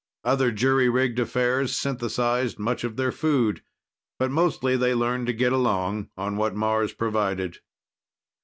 Other jury rigged affairs synthesized much of their food. But mostly they learned to get along on what Mars provided.